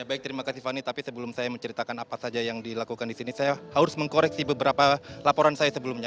ya baik terima kasih fani tapi sebelum saya menceritakan apa saja yang dilakukan di sini saya harus mengkoreksi beberapa laporan saya sebelumnya